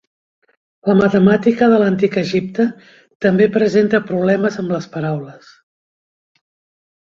La matemàtica de l'Antic Egipte també presenta problemes amb paraules.